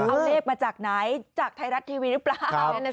เอาเลขมาจากไหนจากไทยรัฐทีวีหรือเปล่า